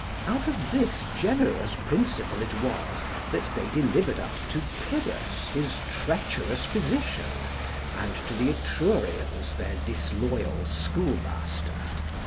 Out of this generous principle it was that they delivered up to Pyrrhus his treacherous physician, and to the Etrurians their disloyal schoolmaster.